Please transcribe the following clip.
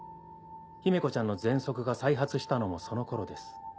姫子ちゃんの喘息が再発したのもその頃です。